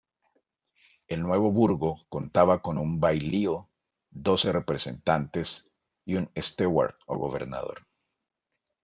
El nuevo burgo contaba con un bailío, doce representantes y un "steward" o gobernador.